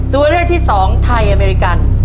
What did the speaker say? ตัวเลือกที่สองไทยอเมริกัน